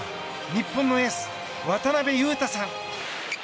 日本のエース、渡邊雄太さん。